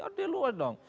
ada di luar dong